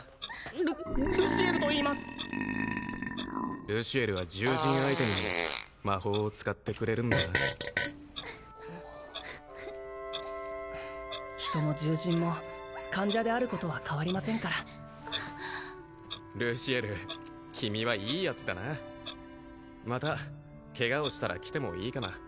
ルルシエルと言いますルシエルは獣人相手にも魔法を使ってくれるんだな人も獣人も患者であることは変わりませんからルシエル君はいいヤツだなまたケガをしたら来てもいいかな？